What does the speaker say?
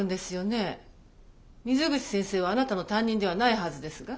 水口先生はあなたの担任ではないはずですが？